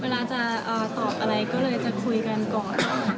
เวลาจะตอบอะไรก็เลยจะคุยกันก่อน